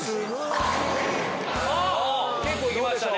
結構いきましたね。